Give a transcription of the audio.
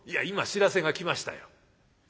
今知らせが来ましたよ。